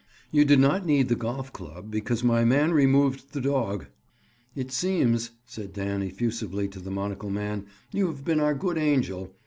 "You did not need the golf club because my man removed the dog." "It seems," said Dan effusively to the monocle man, "you have been our good angel.